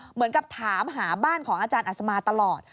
เหมือนกับถามหาบ้านของอาจารย์อัศมาตลอด